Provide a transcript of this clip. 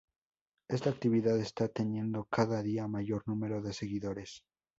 Esta actividad está teniendo cada día mayor número de seguidores.